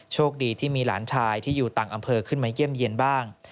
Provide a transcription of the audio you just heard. โชคดีที่มีหลานชายที่อยู่ต่างอำเภอขึ้นมาเยี่ยมเยี่ยนบ้าง